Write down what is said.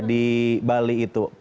di bali itu